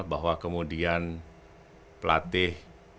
bahwa kemudian pelatih